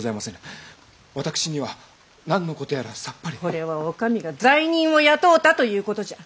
これはお上が罪人を雇ったということじゃ！